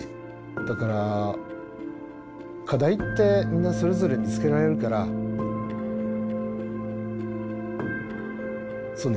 だから課題ってみんなそれぞれ見つけられるからそうね